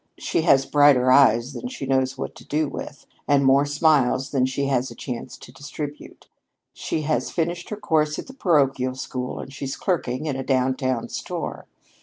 She has brighter eyes than she knows what to do with and more smiles than she has a chance to distribute. She has finished her course at the parochial school and she's clerking in a downtown store.